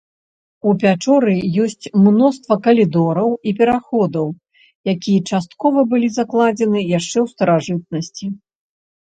У пячоры ёсць мноства калідораў і пераходаў, якія часткова былі закладзены яшчэ ў старажытнасці.